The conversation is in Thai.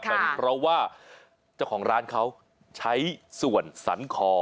เป็นเพราะว่าเจ้าของร้านเขาใช้ส่วนสันคอ